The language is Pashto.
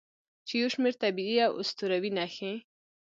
چې یو شمیر طبیعي او اسطوروي نښې